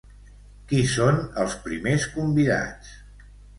Qui són els primers convidats?